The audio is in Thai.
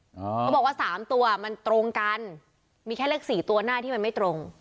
เขาบอกว่าสามตัวมันตรงกันมีแค่เลขสี่ตัวหน้าที่มันไม่ตรง